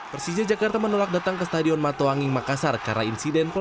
pertanyaan hari ini ditunda dan ditunda untuk penerbangan di tempat